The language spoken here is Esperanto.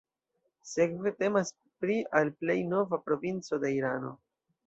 Sekve temas pri al plej nova provinco de Irano.